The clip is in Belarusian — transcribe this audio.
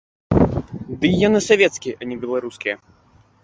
Дый яны савецкія, а не беларускія.